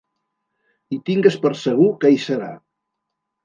I tingues per segur que hi serà !